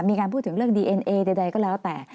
มีการพูดถึงเรื่องดีเอ็นเอใดก็แล้วแต่